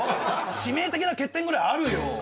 致命的な欠点ぐらいあるよ。